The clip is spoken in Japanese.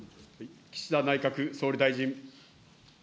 岸田内閣総理大臣。